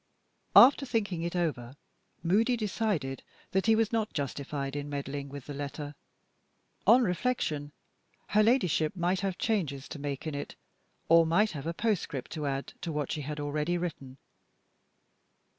After thinking it over, Moody decided that he was not justified in meddling with the letter. On reflection, her Ladyship might have changes to make in it or might have a postscript to add to what she had already written.